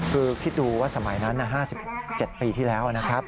คือคิดดูว่าสมัยนั้น๕๗ปีที่แล้วนะครับ